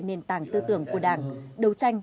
nền tảng tư tưởng của đảng đấu tranh